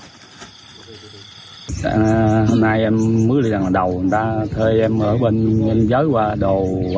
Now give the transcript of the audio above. hôm nay em mới đi lần đầu người ta thuê em ở bên nhanh giới qua đồ